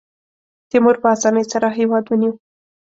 تیمور په اسانۍ سره هېواد ونیو.